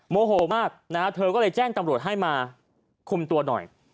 โมโหมากนะฮะเธอก็เลยแจ้งตำรวจให้มาคุมตัวหน่อย